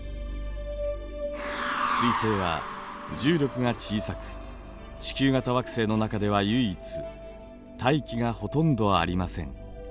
水星は重力が小さく地球型惑星の中では唯一大気がほとんどありません。